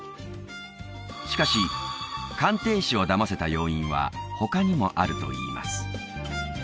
しかし鑑定士をだませた要因は他にもあるといいます